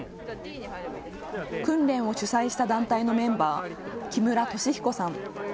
訓練を主催した団体のメンバー、木村俊彦さん。